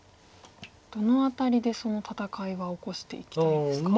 どの辺りでその戦いは起こしていきたいですか。